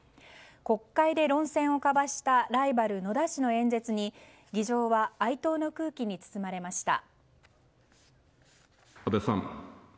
国会で論戦を交わしたライバル野田氏の演説に議場は哀悼の空気に包まれました。